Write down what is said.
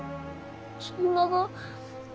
そんなが。